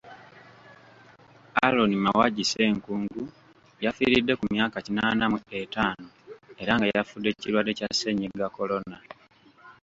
Aaron Mawagi Ssenkungu yafiiridde ku myaka kinaana mu etaano era nga yafudde kirwadde kya Ssennyiga Corona.